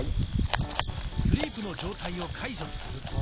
スリープの状態を解除すると。